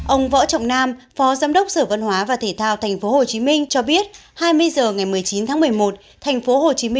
ông võ trọng nam phó giám đốc sở văn hóa và thể thao tp hcm cho biết hai mươi h ngày một mươi chín tháng một mươi một tp hcm sẽ cố gắng đánh dịch covid một mươi chín